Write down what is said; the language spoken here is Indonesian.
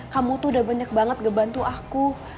kamu tuh udah banyak banget ngebantu aku